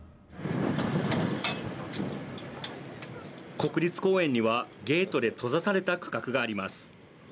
国立公園にはゲートで閉ざされた区画があります。